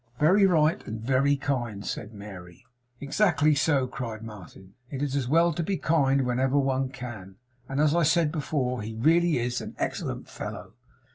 'Very right, and very kind,' said Mary. 'Exactly so!' cried Martin. 'It's as well to be kind whenever one can; and, as I said before, he really is an excellent fellow.